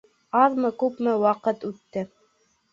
Аҙмы-күпме ваҡыт үтте.